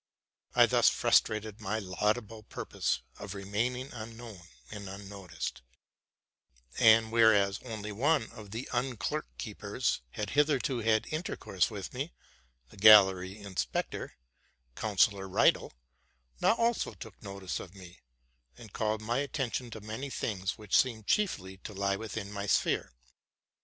I thus frustrated my laudable purpose of remaining unknown and unnoticed; and whereas only one of the underkeepers had hitherto had intercourse with me, the gallery inspector, Counsellor Riedel, now also took notice o1 me, and called my attention to many things which seemed chiefly to lie within my sphere.